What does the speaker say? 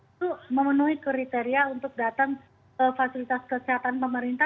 itu memenuhi kriteria untuk datang ke fasilitas kesehatan pemerintah